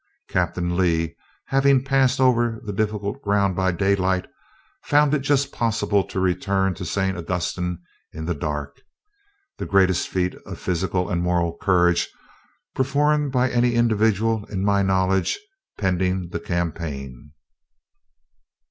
... Captain Lee, having passed over the difficult ground by daylight, found it just possible to return to San Augustin in the dark, the greatest feat of physical and moral courage performed by any individual, in my knowledge, pending the campaign."